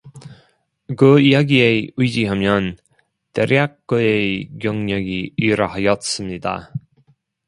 그 이야기에 의지하면 대략 그의 경력이 이러하였습니다.